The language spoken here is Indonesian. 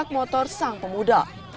terusak motor sang pemuda